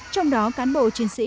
trong đó cán bộ chiến sĩ